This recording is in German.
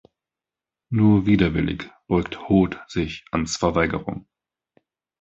Nur widerwillig beugt Hod sich Anns Verweigerung.